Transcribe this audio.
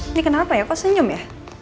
ini kenapa ya kok senyum ya